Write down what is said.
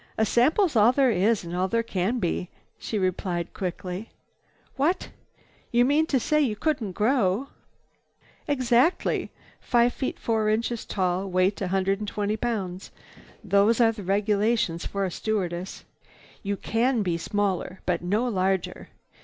"A sample's all there is and all there can be," she replied quickly. "What! You mean to say you couldn't grow?" "Exactly. Five feet four inches tall, weight a hundred and twenty pounds. Those are the regulations for a stewardess. You can be smaller, but no larger.